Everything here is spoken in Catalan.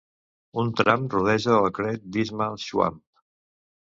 Un tram rodeja el Great Dismal Swamp.